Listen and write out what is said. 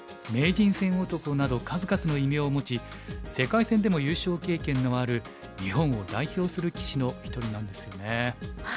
「名人戦男」など数々の異名を持ち世界戦でも優勝経験のある日本を代表する棋士の一人なんですよね。